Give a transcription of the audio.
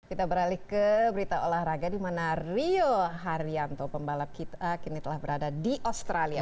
kita beralih ke berita olahraga di mana rio haryanto pembalap kita kini telah berada di australia